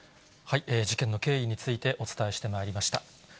事件の経緯についてお伝えしてまいりました。